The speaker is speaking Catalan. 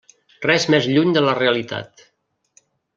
Res més lluny de la realitat.